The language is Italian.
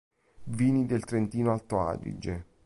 Vini del Trentino-Alto Adige